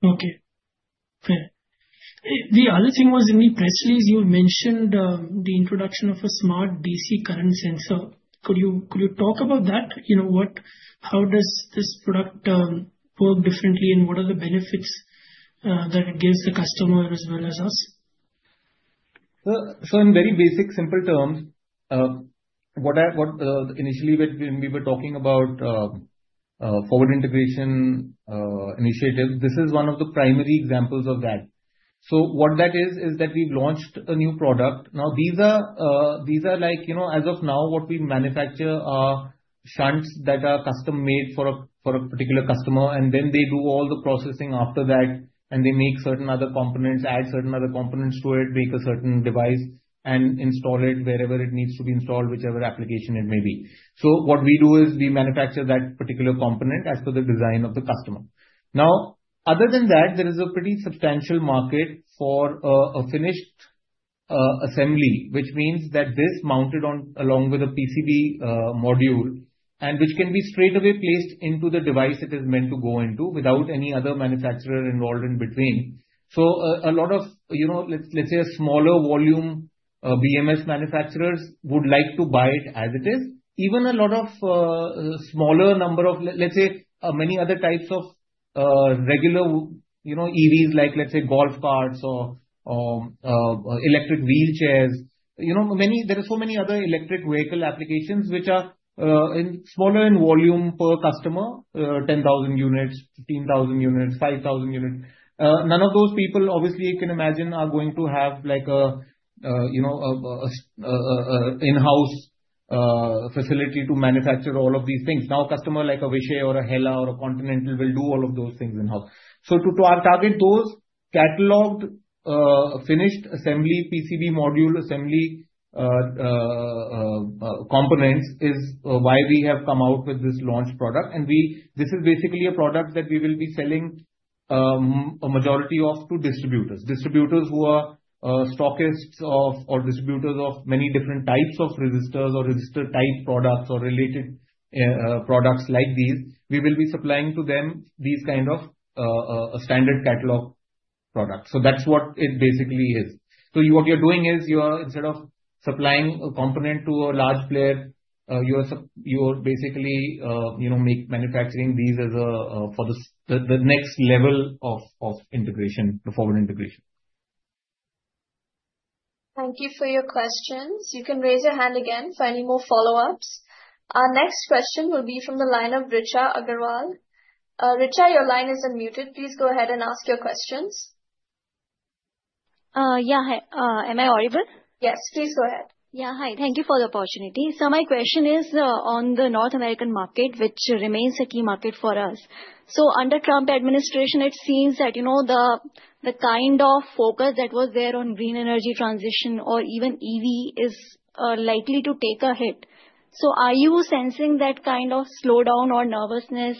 Okay. Fair. The other thing was in the press release, you mentioned the introduction of a smart DC current sensor. Could you talk about that? How does this product work differently, and what are the benefits that it gives the customer as well as us? So in very basic, simple terms, initially, when we were talking about forward integration initiatives, this is one of the primary examples of that. So what that is, is that we've launched a new product. Now, these are like, as of now, what we manufacture are shunts that are custom-made for a particular customer, and then they do all the processing after that, and they make certain other components, add certain other components to it, make a certain device, and install it wherever it needs to be installed, whichever application it may be. So what we do is we manufacture that particular component as per the design of the customer. Now, other than that, there is a pretty substantial market for a finished assembly, which means that this mounted along with a PCB module, and which can be straight away placed into the device it is meant to go into without any other manufacturer involved in between. So a lot of, let's say, a smaller volume BMS manufacturers would like to buy it as it is. Even a lot of smaller number of, let's say, many other types of regular EVs, like, let's say, golf carts or electric wheelchairs. There are so many other electric vehicle applications which are smaller in volume per customer, 10,000 units, 15,000 units, 5,000 units. None of those people, obviously, you can imagine, are going to have like an in-house facility to manufacture all of these things. Now, a customer like a Vishay or a Hella or a Continental will do all of those things in-house. So to target those cataloged finished assembly PCB module assembly components is why we have come out with this launch product. And this is basically a product that we will be selling a majority of to distributors. Distributors who are stockists or distributors of many different types of resistors or resistor-type products or related products like these, we will be supplying to them these kind of standard catalog products. So that's what it basically is. So what you're doing is instead of supplying a component to a large player, you're basically manufacturing these as for the next level of integration, the forward integration. Thank you for your questions. You can raise your hand again for any more follow-ups. Our next question will be from the line of Richa Agarwal. Richa, your line is unmuted. Please go ahead and ask your questions. Yeah. Am I audible? Yes. Please go ahead. Yeah. Hi. Thank you for the opportunity. So my question is on the North American market, which remains a key market for us. So under Trump administration, it seems that the kind of focus that was there on green energy transition or even EV is likely to take a hit. So are you sensing that kind of slowdown or nervousness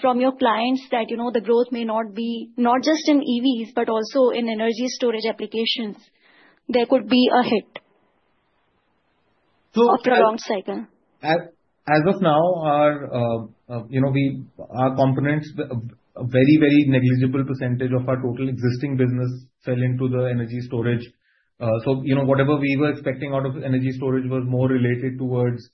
from your clients that the growth may not be not just in EVs, but also in energy storage applications? There could be a hit. So as of now, our components, a very, very negligible percentage of our total existing business fell into the energy storage. So whatever we were expecting out of energy storage was more related towards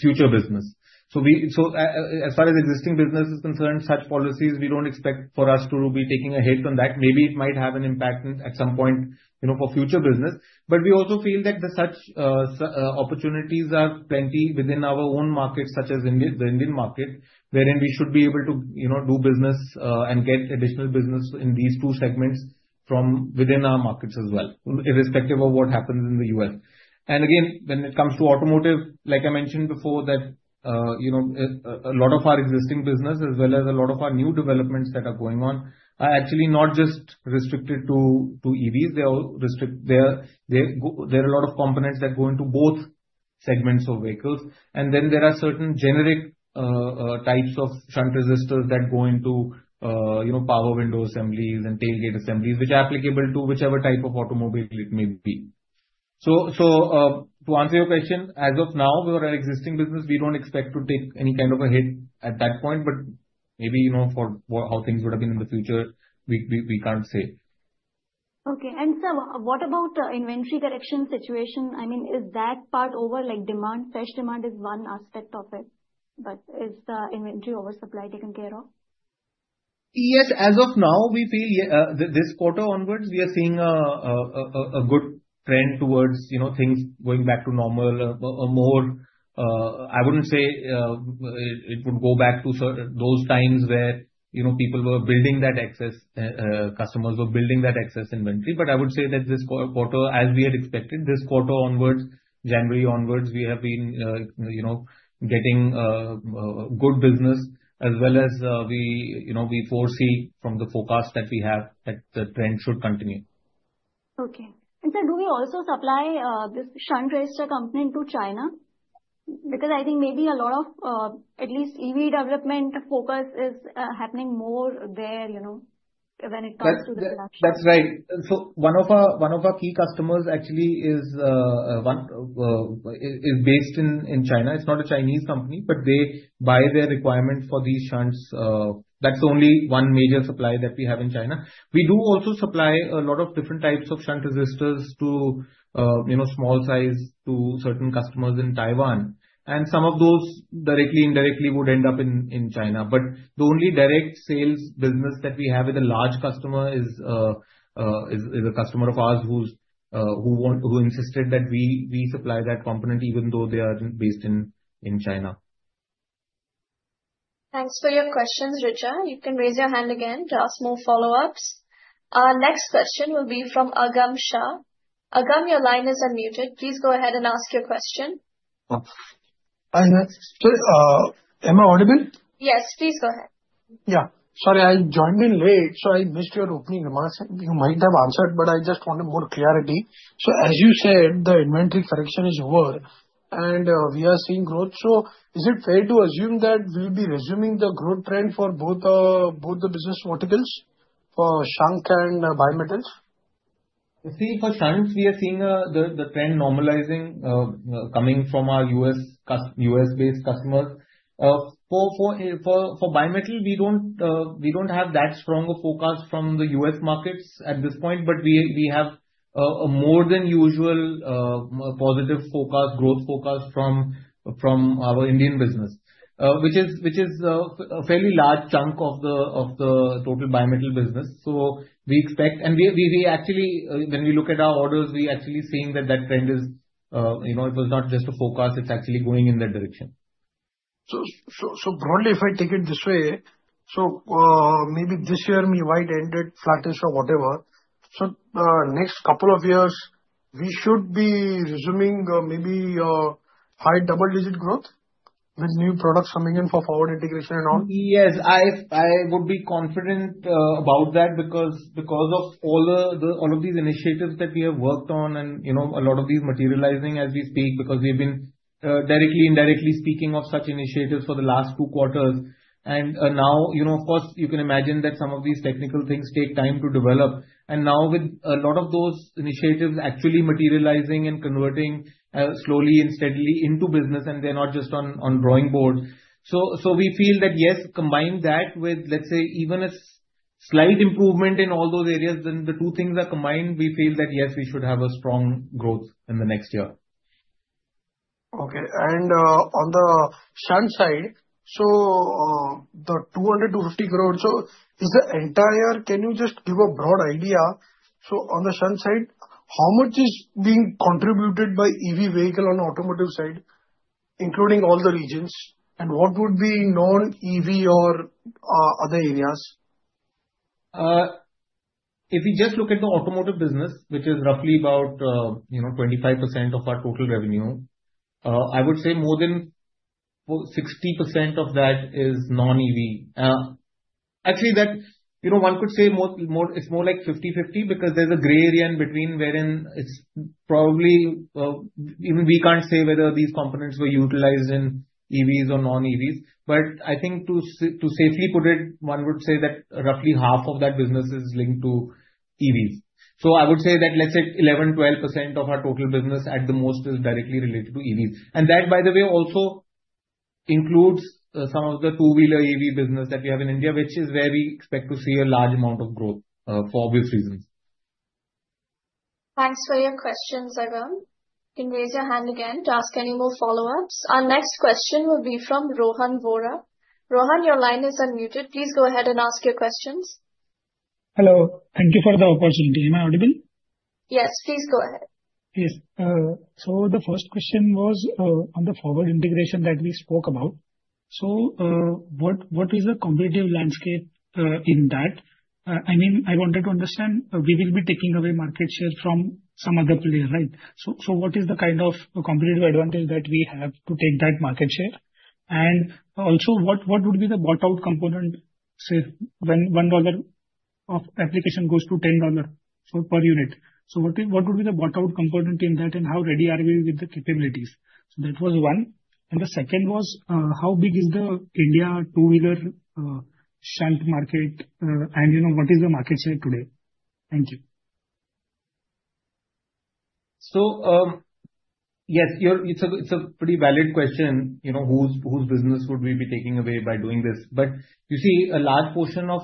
future business. So as far as existing business is concerned, such policies, we don't expect for us to be taking a hit on that. Maybe it might have an impact at some point for future business. But we also feel that such opportunities are plenty within our own market, such as the Indian market, wherein we should be able to do business and get additional business in these two segments from within our markets as well, irrespective of what happens in the U.S. Again, when it comes to automotive, like I mentioned before, that a lot of our existing business as well as a lot of our new developments that are going on are actually not just restricted to EVs. There are a lot of components that go into both segments of vehicles. And then there are certain generic types of shunt resistors that go into power window assemblies and tailgate assemblies, which are applicable to whichever type of automobile it may be. So to answer your question, as of now, for our existing business, we don't expect to take any kind of a hit at that point. But maybe for how things would have been in the future, we can't say. Okay. And sir, what about inventory correction situation? I mean, is that part over? Fresh demand is one aspect of it. But is the inventory oversupply taken care of? Yes. As of now, we feel this quarter onwards, we are seeing a good trend towards things going back to normal. I wouldn't say it would go back to those times where customers were building that excess inventory. But I would say that this quarter, as we had expected, this quarter onwards, January onwards, we have been getting good business as well as we foresee from the forecast that we have that the trend should continue. Okay. And sir, do we also supply this shunt resistor component to China? Because I think maybe a lot of at least EV development focus is happening more there when it comes to the electric. That's right, so one of our key customers actually is based in China. It's not a Chinese company, but they buy their requirement for these shunts. That's only one major supply that we have in China. We do also supply a lot of different types of shunt resistors to small size to certain customers in Taiwan, and some of those directly, indirectly would end up in China, but the only direct sales business that we have with a large customer is a customer of ours who insisted that we supply that component even though they are based in China. Thanks for your questions, Richa. You can raise your hand again to ask more follow-ups. Our next question will be from Aagam Shah. Aagam, your line is unmuted. Please go ahead and ask your question. Am I audible? Yes. Please go ahead. Yeah. Sorry, I joined in late. So I missed your opening remarks. You might have answered, but I just wanted more clarity. So as you said, the inventory correction is over, and we are seeing growth. So is it fair to assume that we'll be resuming the growth trend for both the business verticals, for shunt and bimetals? You see, for shunts, we are seeing the trend normalizing coming from our U.S.-based customers. For bimetal, we don't have that strong a forecast from the U.S. markets at this point, but we have a more than usual positive forecast, growth forecast from our Indian business, which is a fairly large chunk of the total bimetal business. So we expect, and we actually, when we look at our orders, we actually see that that trend is. It was not just a forecast. It's actually going in that direction. Broadly, if I take it this way, maybe this year we might end it flattish or whatever. The next couple of years, we should be resuming maybe high double-digit growth with new products coming in for forward integration and all. Yes. I would be confident about that because of all of these initiatives that we have worked on and a lot of these materializing as we speak because we have been directly, indirectly speaking of such initiatives for the last two quarters. And now, of course, you can imagine that some of these technical things take time to develop. And now with a lot of those initiatives actually materializing and converting slowly and steadily into business, and they're not just on drawing boards. So we feel that, yes, combine that with, let's say, even a slight improvement in all those areas, then the two things are combined, we feel that, yes, we should have a strong growth in the next year. Okay. And on the shunt side, so the 250 crores, so is the entire, can you just give a broad idea? So on the shunt side, how much is being contributed by EV vehicle on the automotive side, including all the regions, and what would be non-EV or other areas? If we just look at the automotive business, which is roughly about 25% of our total revenue, I would say more than 60% of that is non-EV. Actually, one could say it's more like 50/50 because there's a gray area in between wherein it's probably even we can't say whether these components were utilized in EVs or non-EVs. But I think to safely put it, one would say that roughly half of that business is linked to EVs. So I would say that, let's say, 11-12% of our total business at the most is directly related to EVs. And that, by the way, also includes some of the two-wheeler EV business that we have in India, which is where we expect to see a large amount of growth for obvious reasons. Thanks for your questions, Aagam. You can raise your hand again to ask any more follow-ups. Our next question will be from Rohan Vora. Rohan, your line is unmuted. Please go ahead and ask your questions. Hello. Thank you for the opportunity. Am I audible? Yes. Please go ahead. Yes. So the first question was on the forward integration that we spoke about. So what is the competitive landscape in that? I mean, I wanted to understand we will be taking away market share from some other player, right? So what is the kind of competitive advantage that we have to take that market share? And also, what would be the bought-out component when $1 of application goes to $10 per unit? So what would be the bought-out component in that, and how ready are we with the capabilities? So that was one. And the second was how big is the India two-wheeler shunt market, and what is the market share today? Thank you. So yes, it's a pretty valid question, whose business would we be taking away by doing this? But you see, a large portion of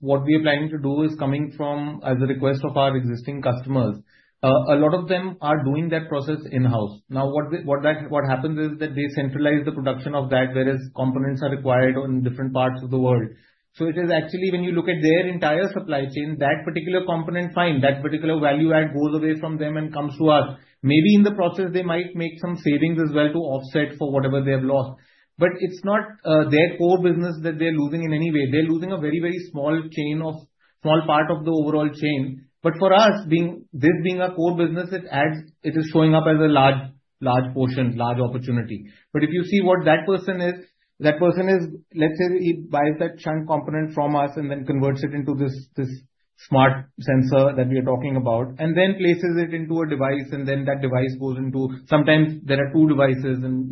what we are planning to do is coming from, as a request of our existing customers, a lot of them are doing that process in-house. Now, what happens is that they centralize the production of that, whereas components are required in different parts of the world. So it is actually, when you look at their entire supply chain, that particular component, fine, that particular value add goes away from them and comes to us. Maybe in the process, they might make some savings as well to offset for whatever they have lost. But it's not their core business that they're losing in any way. They're losing a very, very small part of the overall chain. But for us, this being a core business, it is showing up as a large portion, large opportunity. But if you see what that person is, let's say, he buys that shunt component from us and then converts it into this smart sensor that we are talking about, and then places it into a device, and then that device goes into sometimes there are two devices. And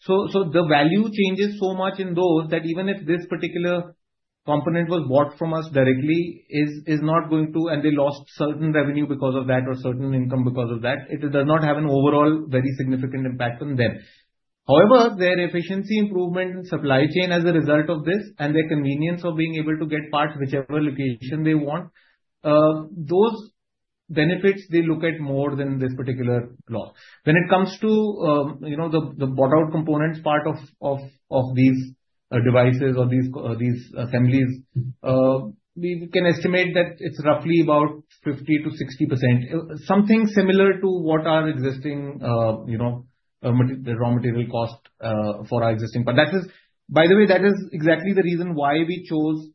so the value changes so much in those that even if this particular component was bought from us directly, it is not going to, and they lost certain revenue because of that or certain income because of that. It does not have an overall very significant impact on them. However, their efficiency improvement in supply chain as a result of this and their convenience of being able to get parts whichever location they want, those benefits they look at more than this particular loss. When it comes to the bought-out components part of these devices or these assemblies, we can estimate that it's roughly about 50%-60%, something similar to what our existing raw material cost for our existing part. By the way, that is exactly the reason why we chose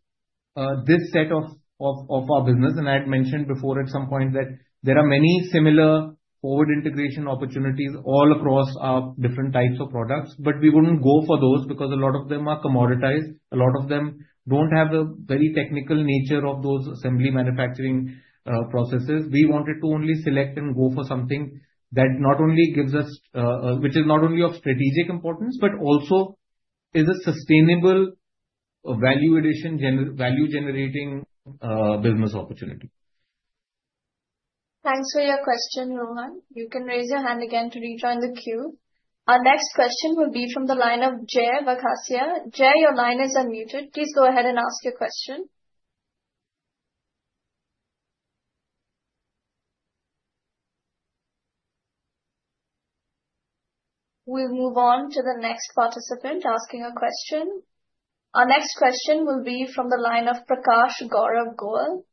this set of our business, and I had mentioned before at some point that there are many similar forward integration opportunities all across our different types of products, but we wouldn't go for those because a lot of them are commoditized. A lot of them don't have the very technical nature of those assembly manufacturing processes. We wanted to only select and go for something that not only gives us, which is not only of strategic importance, but also is a sustainable value-generating business opportunity. Thanks for your question, Rohan. You can raise your hand again to rejoin the queue. Our next question will be from the line of Jay Prakash. Jay, your line is unmuted. Please go ahead and ask your question. We'll move on to the next participant asking a question. Our next question will be from the line of Prakash Gaurav Goel.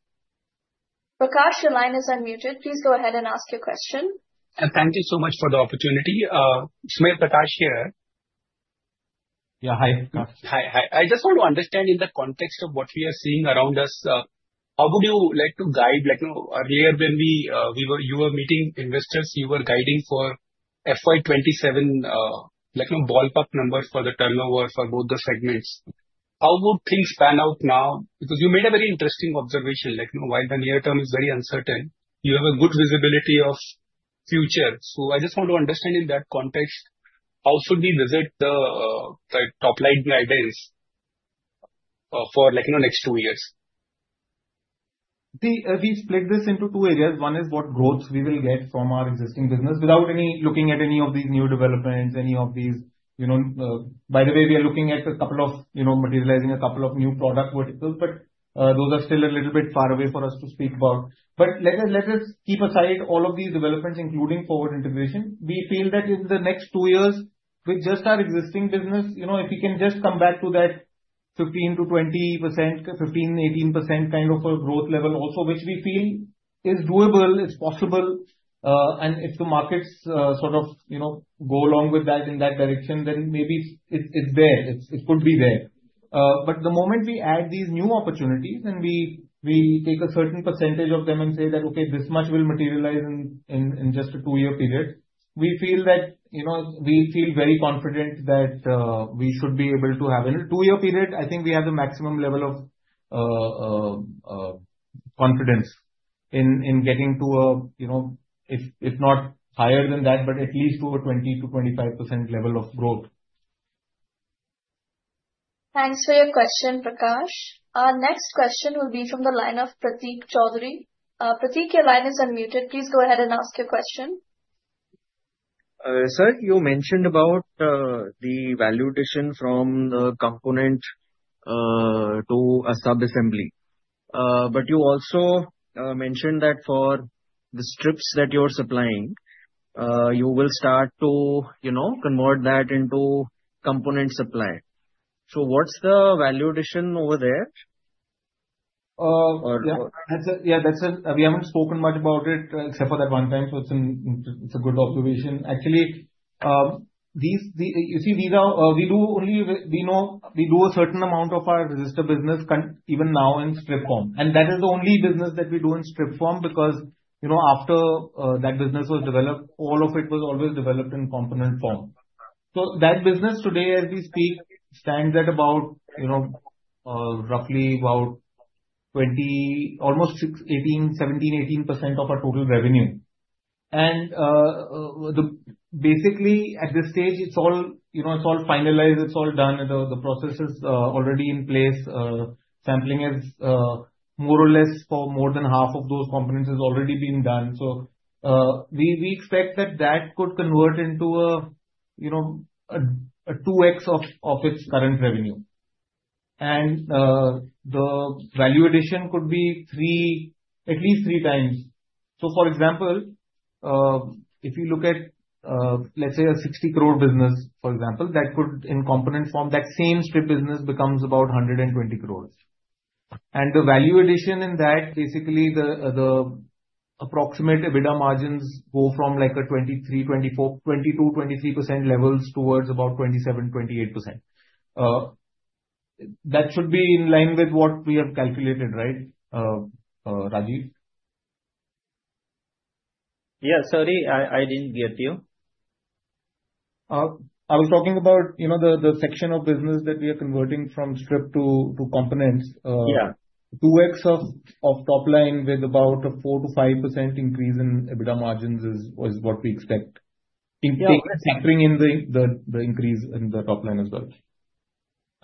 Prakash, your line is unmuted. Please go ahead and ask your question. Thank you so much for the opportunity. It's me, Prakash here. Yeah. Hi, Prakash. Hi. I just want to understand, in the context of what we are seeing around us, how would you like to guide? Earlier, when you were meeting investors, you were guiding for FY27 ballpark number for the turnover for both the segments. How would things pan out now? Because you made a very interesting observation. While the near term is very uncertain, you have a good visibility of the future, so I just want to understand in that context, how should we revise the top-line guidance for the next two years? We split this into two areas. One is what growth we will get from our existing business without looking at any of these new developments. Any of these, by the way, we are looking at a couple of materializing a couple of new product verticals, but those are still a little bit far away for us to speak about. But let us keep aside all of these developments, including forward integration. We feel that in the next two years, with just our existing business, if we can just come back to that 15%-20%, 15%-18% kind of a growth level also, which we feel is doable, it's possible, and if the markets sort of go along with that in that direction, then maybe it's there. It could be there. But the moment we add these new opportunities and we take a certain percentage of them and say that, "Okay, this much will materialize in just a two-year period," we feel that we feel very confident that we should be able to have in a two-year period, I think we have the maximum level of confidence in getting to a, if not higher than that, but at least to a 20%-25% level of growth. Thanks for your question, Prakash. Our next question will be from the line of Prateek Choudhary. Prateek, your line is unmuted. Please go ahead and ask your question. Sir, you mentioned about the value addition from the component to a sub-assembly. But you also mentioned that for the strips that you're supplying, you will start to convert that into component supply. So what's the value addition over there? Yeah, we haven't spoken much about it except for that one time, so it's a good observation. Actually, you see, we do only a certain amount of our resistor business even now in strip form. And that is the only business that we do in strip form because after that business was developed, all of it was always developed in component form. So that business today, as we speak, stands at roughly almost 17%-18% of our total revenue. And basically, at this stage, it's all finalized. It's all done. The process is already in place. Sampling is more or less for more than half of those components already being done. So we expect that could convert into a 2X of its current revenue. And the value addition could be at least three times. For example, if you look at, let's say, a 60-crore business, for example, that could, in component form, that same strip business becomes about 120 crores. And the value addition in that. Basically, the approximate EBITDA margins go from like a 22%-23% levels towards about 27%-28%. That should be in line with what we have calculated, right, Rajeev? Yeah. Sorry, I didn't hear you. I was talking about the section of business that we are converting from strip to components. 2X of top line with about a 4%-5% increase in EBITDA margins is what we expect, factoring in the increase in the top line as well.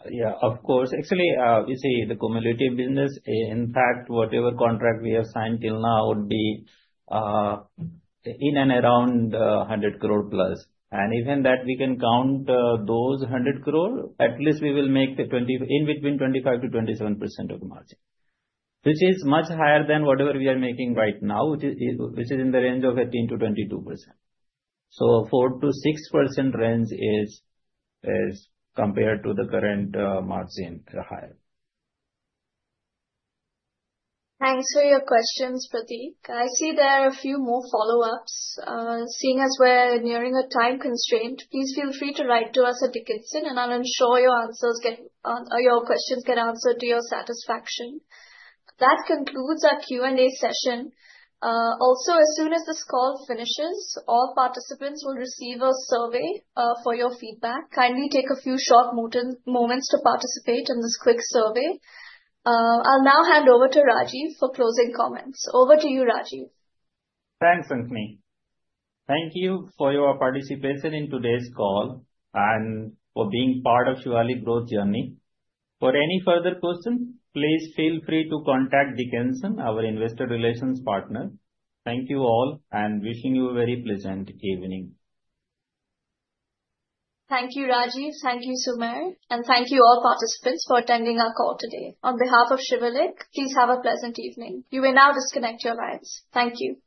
Yeah, of course. Actually, you see, the cumulative business, in fact, whatever contract we have signed till now would be in and around 100 crore plus. And even that, we can count those 100 crore, at least we will make in between 25%-27% of the margin, which is much higher than whatever we are making right now, which is in the range of 18%-22%. So 4%-6% range is compared to the current margin higher. Thanks for your questions, Prateek. I see there are a few more follow-ups. Seeing as we're nearing a time constraint, please feel free to write to us at Dickenson, and I'll ensure your questions get answered to your satisfaction. That concludes our Q&A session. Also, as soon as this call finishes, all participants will receive a survey for your feedback. Kindly take a few short moments to participate in this quick survey. I'll now hand over to Rajeev for closing comments. Over to you, Rajeev. Thanks, Anthony. Thank you for your participation in today's call and for being part of Shivalik's growth journey. For any further questions, please feel free to contact Dickenson, our investor relations partner. Thank you all, and wishing you a very pleasant evening. Thank you, Rajeev. Thank you, Sumer. And thank you, all participants, for attending our call today. On behalf of Shivalik, please have a pleasant evening. You may now disconnect your lines. Thank you.